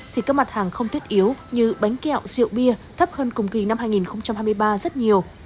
thì các mặt hàng không thiết yếu như bánh kẹo rượu bia thấp hơn cùng kỳ năm hai nghìn hai mươi ba rất nhiều